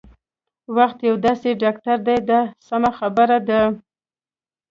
وخت یو داسې ډاکټر دی دا سمه خبره ده.